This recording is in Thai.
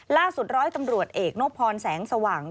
ล่าสุดร้อยตำรวจเอกนพรแสงสว่าง